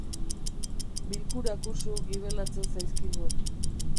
Bilkurak usu gibelatzen zaizkigu.